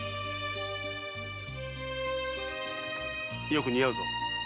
良く似合うぞ。